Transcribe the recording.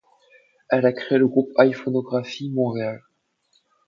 Elle a créé le groupe iPhoneography Montreal.